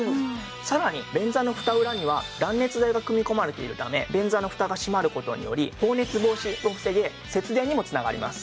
さらに便座のフタ裏には断熱材が組み込まれているため便座のフタが閉まる事により放熱を防げ節電にも繋がります。